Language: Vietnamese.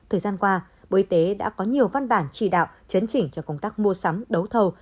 thời gian qua bộ y tế đã có nhiều văn bản chỉ đạo chấn chỉnh cho công tác mua sắm đấu thầu